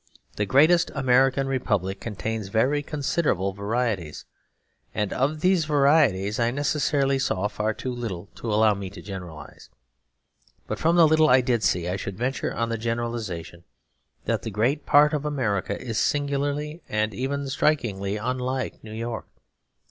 The great American Republic contains very considerable varieties, and of these varieties I necessarily saw far too little to allow me to generalise. But from the little I did see, I should venture on the generalisation that the great part of America is singularly and even strikingly unlike New York.